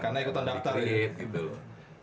karena ikutan daftar gitu